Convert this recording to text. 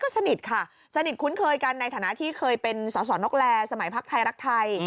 สนิทค่ะสนิทคุ้นเคยกันในฐานะที่เคยเป็นสอสอนกแลสมัยพักไทยรักไทย